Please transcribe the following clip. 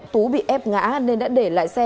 tú bị ép ngã nên đã để lại xe